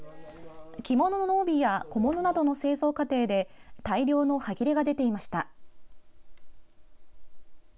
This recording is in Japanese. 着物の帯や小物などの製造過程で大量のはぎれが出ていました。